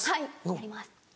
やります。